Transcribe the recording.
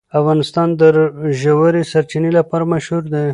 افغانستان د ژورې سرچینې لپاره مشهور دی.